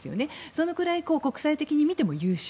そのくらい国際的にみても優秀。